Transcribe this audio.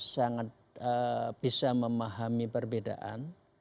sangat bisa memahami perbedaan